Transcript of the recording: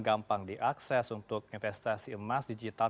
gampang diakses untuk investasi emas digital